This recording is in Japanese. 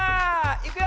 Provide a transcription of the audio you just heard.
いくよ！